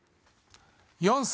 ４歳。